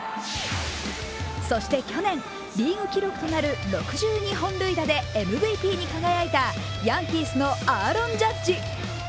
そして去年、リーグ記録となる６２本塁打でＭＶＰに輝いたヤンキースのアーロン・ジャッジ。